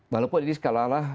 walaupun ini sekalalah